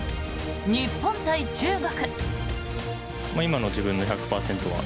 日本対中国。